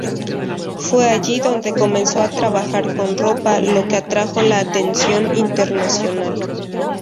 Fue allí donde comenzó a trabajar con ropa, lo que atrajo la atención internacional.